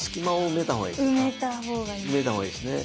埋めた方がいいですね。